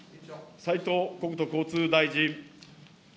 斉藤国土交通大臣。